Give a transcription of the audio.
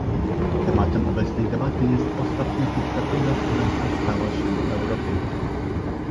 Tematem obecnej debaty jest ostatnia dyktatura, która ostała się w Europie